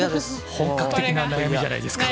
本格的な悩みじゃないですか。